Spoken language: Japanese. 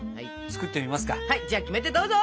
はいじゃあキメテどうぞ！